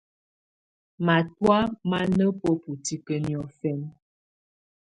Matɔ̀́á mà nà bǝbu tikǝ́ niɔ̀fɛna.